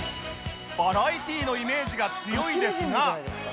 バラエティーのイメージが強いですが